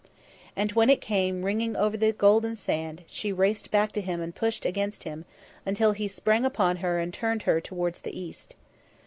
And when it came ringing clear over the golden sand, she raced back to him and pushed against him, until he sprang upon her and turned her towards the East.